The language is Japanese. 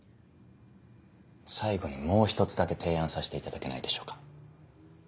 最後にもう一つだけ提案させていただけないでしょうか。